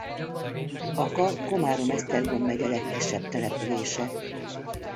Aka Komárom-Esztergom megye legkisebb települése.